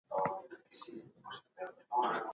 ولي په کابل کي د صنعت لپاره د بازار اړتیا ده؟